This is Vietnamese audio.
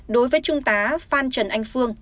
đối với trung tá phan trần anh phương